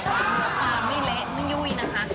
ปลาเนื้อปลาไม่เละไม่ยุ่ยนะคะ